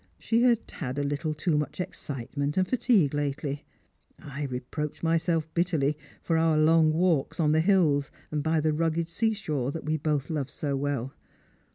She had had a little too much excitement and fatigue lately. I re 23roached myself bitterly for our long walks on the hills and by the rugged sea shore we both loved so well.